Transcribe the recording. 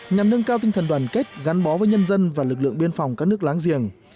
nhằm nâng cao tinh thần đoàn kết gắn bó với nhân dân và lực lượng biên phòng các nước láng giềng